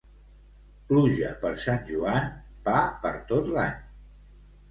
Pluja per Sant Joan, pa per tot l'any.